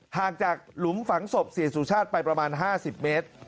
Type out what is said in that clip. ห่างจากหลุมฝังศพเสียสุชาติไปประมาณ๕๐เมตร